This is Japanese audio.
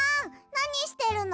なにしてるの？